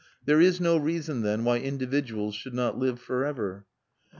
There is no reason, then, why individuals should not live for ever.